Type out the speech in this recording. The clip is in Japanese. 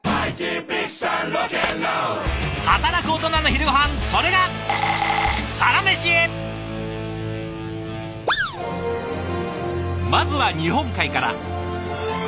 働くオトナの昼ごはんそれがまずは日本海から。